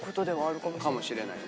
かもしれないね。